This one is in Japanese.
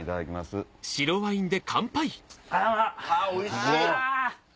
おいしい！